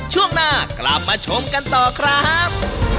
ช่วงหน้ากลับมาชมกันต่อครับ